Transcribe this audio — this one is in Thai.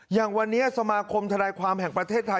อย่างวันนี้สมาคมธนายความแห่งประเทศไทย